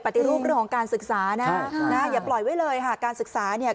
ปฏิรูปของการศึกษานะอย่าปล่อยไว้เลยภาคการศึกษาเนี่ย